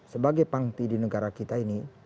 sebagai panti di negara kita ini